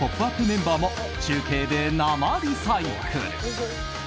メンバーも中継で生リサイクル。